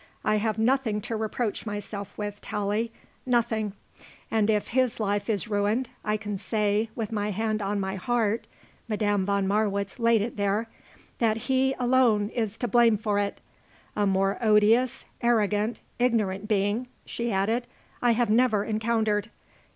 I have nothing to reproach myself with, Tallie; nothing; and if his life is ruined I can say, with my hand on my heart," Madame von Marwitz laid it there "that he alone is to blame for it. A more odious, arrogant, ignorant being," she added, "I have never encountered.